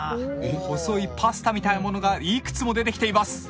細いパスタみたいなものがいくつも出てきています。